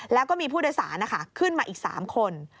แล้วก็มีผู้โดยสารขึ้นมาอีก๓คน